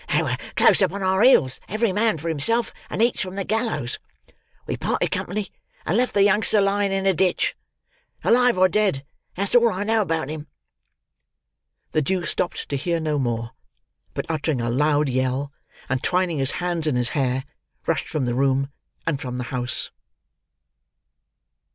They were close upon our heels; every man for himself, and each from the gallows! We parted company, and left the youngster lying in a ditch. Alive or dead, that's all I know about him." The Jew stopped to hear no more; but uttering a loud yell, and twining his hands in his hair, rushed from the room, and from the house.